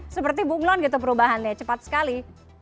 seperti bunglon perubahannya cepat sekali